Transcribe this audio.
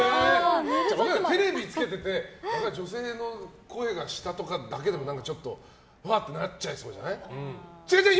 テレビつけてて女性の声がしたとかだけでもちょっと、うわってなっちゃいそうじゃない？